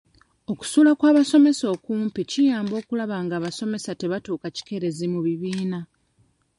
Okusula kw'abasomesa okumpi kiyamba okulaba nga abasomesa tebatuuka kikeerezi mu bibiina.